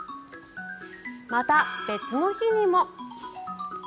また、別の日にも。